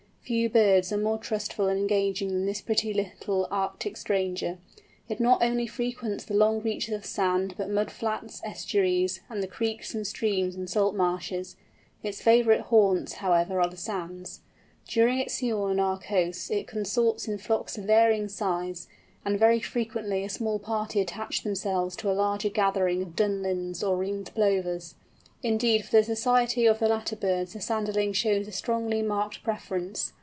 Few birds are more trustful and engaging than this pretty little Arctic stranger. It not only frequents the long reaches of sand, but mud flats, estuaries, and the creeks and streams in salt marshes; its favourite haunts, however, are the sands. During its sojourn on our coast it consorts in flocks of varying size; and very frequently a small party attach themselves to a larger gathering of Dunlins, or Ringed Plovers. Indeed for the society of the latter birds the Sanderling shows a strongly marked preference.